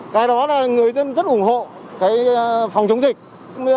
cái đó là người dân rất ủng hộ cái phòng chống dịch